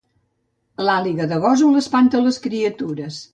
L'àliga de Gósol espanta les criatures